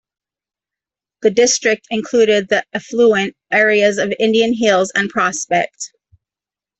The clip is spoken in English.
The district included the affluent areas of Indian Hills and Prospect.